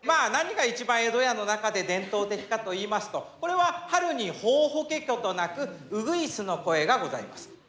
何が一番江戸家の中で伝統的かといいますとこれは春にホーホケキョと鳴くうぐいすの声がございます。